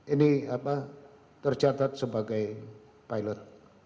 ini tercatat sebagai pilot